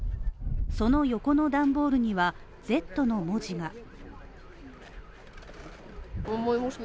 その横の段ボールには、「Ｚ」の文字が。